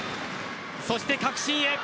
そして確信へ。